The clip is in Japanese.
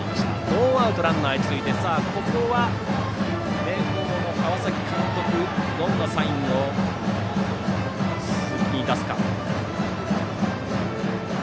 ノーアウトランナー、一塁でここは明豊の川崎監督はどんなサインを鈴木に出すか。